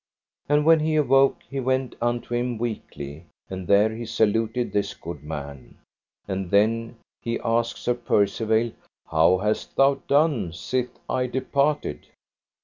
And when he awoke he went unto him weakly, and there he saluted this good man. And then he asked Sir Percivale: How hast thou done sith I departed?